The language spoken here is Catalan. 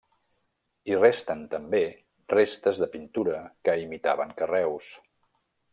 Hi resten també restes de pintura que imitaven carreus.